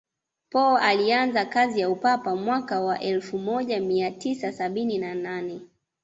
paulo alianza kazi ya upapa mwaka wa elfu moja mia tisa sabini na nane